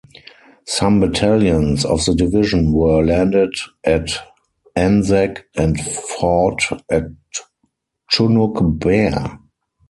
Some battalions of the division were landed at Anzac and fought at Chunuk Bair.